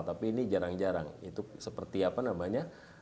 tapi ini jarang jarang itu seperti apa namanya